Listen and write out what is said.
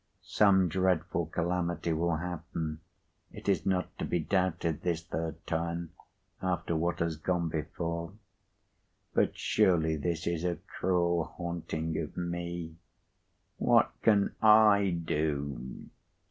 Some dreadful calamity will happen. It is not to be doubted this third time, after what has gone before. But surely this is a cruel haunting of me. What can I do!"